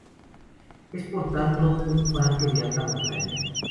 Es por tanto un parque de alta montaña.